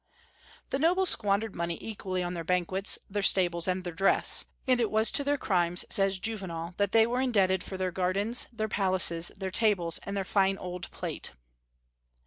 The nobles squandered money equally on their banquets, their stables, and their dress; and it was to their crimes, says Juvenal, that they were indebted for their gardens, their palaces, their tables, and their fine old plate.